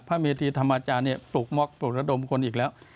พระเมธีธรรมจาปลูกมกปลูกระดมคนอีกแล้ว